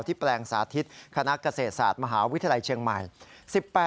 แปลงสาธิตคณะเกษตรศาสตร์มหาวิทยาลัยเชียงใหม่